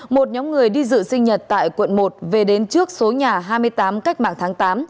một nhóm người đi dự sinh nhật tại quận một về đến trước số nhà hai mươi tám cách mạng tháng tám